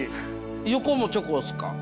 横もチョコですか？